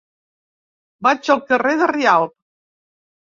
Vaig al carrer de Rialb.